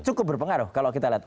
cukup berpengaruh kalau kita lihat